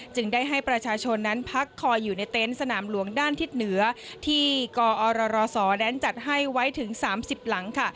จึงได้ให้ประชาชนนั้นพักคอยอยู่ในเต็นต์สนามหลวงด้านทิศเหนือที่กอรศนั้นจัดให้ไว้ถึง๓๐หลังค่ะ